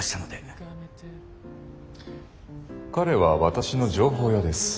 彼は私の情報屋です。